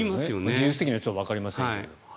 技術的にはわかりませんが。